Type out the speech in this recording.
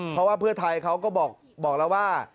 เพราะว่าเพื่อไทยเขาก็บอกแล้วว่า